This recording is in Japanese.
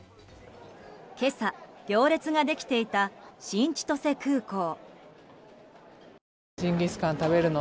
今朝、行列ができていた新千歳空港。